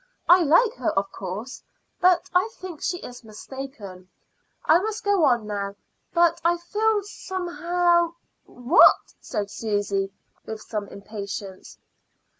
I like her, of course, but I think she is mistaken. I must go on now, but I feel somehow " "What?" said Susy, with some impatience.